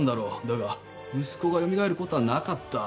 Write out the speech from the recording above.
だが息子が蘇ることはなかった